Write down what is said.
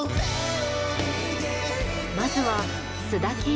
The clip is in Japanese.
まずは須田景